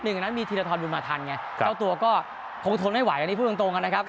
หนึ่งนั้นมีเทียธรรมดุลมาธรรมไงเจ้าตัวก็พงทนไม่ไหวพูดจริงนะครับ